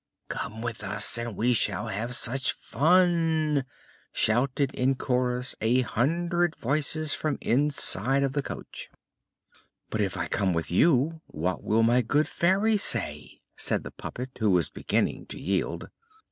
"Come with us and we shall have such fun," shouted in chorus a hundred voices from the inside of the coach. "But if I come with you, what will my good Fairy say?" said the puppet, who was beginning to yield.